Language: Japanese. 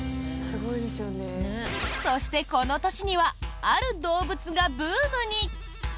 そして、この年にはある動物がブームに。